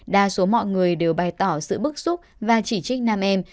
đa số mọi người đều bày tỏ sự bức xúc và chỉ trích nam em